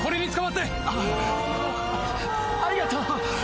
ありがとう。